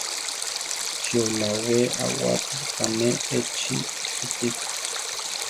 ¿Chi oláa we awátiri káme échi ripíká?